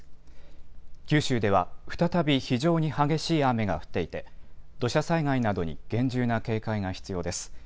九州では再び非常に激しい雨が降っていて土砂災害などに厳重な警戒が必要です。